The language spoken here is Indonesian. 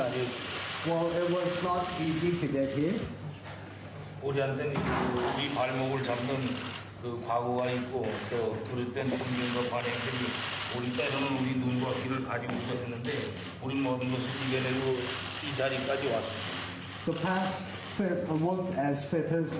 kami akan memiliki hubungan yang sangat baik